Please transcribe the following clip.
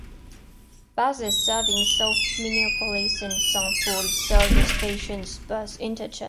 Buses serving south Minneapolis and Saint Paul serve the station's bus interchange.